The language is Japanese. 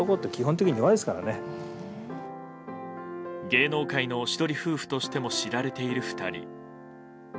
芸能界のおしどり夫婦としても知られている２人。